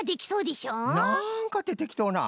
「なんか」っててきとうな。